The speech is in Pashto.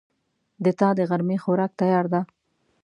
د تا دغرمې خوراک تیار ده